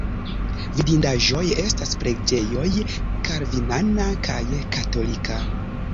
Vidindaĵoj estas preĝejoj kalvinana kaj katolika.